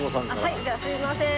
はいじゃあすみません